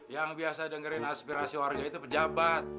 yang biasa dengerin aspirasi warga itu pejabat